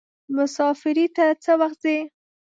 مسافری ته څه وخت ځئ.